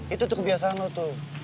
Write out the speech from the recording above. itu tuh kebiasaan lo tuh